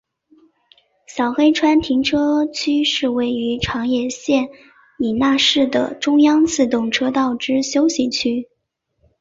小黑川停车区是位于长野县伊那市的中央自动车道之休息区。